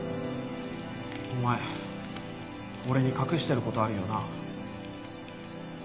お前俺に隠してる事あるよな？